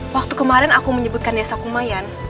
waktu kemarin aku menyebutkan desa kumayan